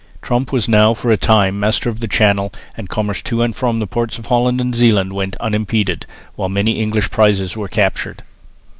Tromp was now for a time master of the Channel and commerce to and from the ports of Holland and Zeeland went on unimpeded, while many English prizes were captured.